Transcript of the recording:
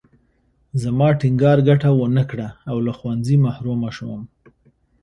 زما ټینګار ګټه ونه کړه او له ښوونځي محرومه شوم